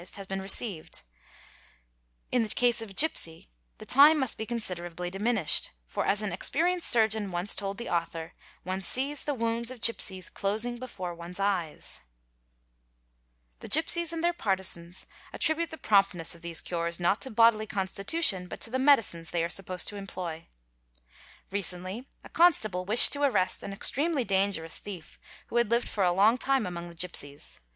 e has been received, in the case of a gipsy the time must be considerabl diminished, for, as an experienced surgeon once told the author, " one Se the wounds of gipsies closing before one's eyes." GIPSY PROVERBS 377 The gipsies and their partisans attribute the promptness of these cures not to bodily constitution but to the medicines they are supposed to employ. Recently a constable wished to arrest an extremely danger ous thief who had lived for a long time among the gipsies.